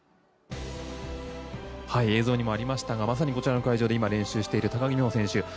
映像にもありましたがまさにこちらの会場で今、練習している高木美帆選手。